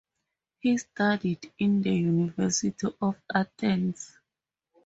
He studied in the University of Athens.